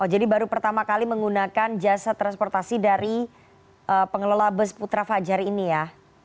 oh jadi baru pertama kali menggunakan jasa transportasi dari pengelola bus putra fajar ini ya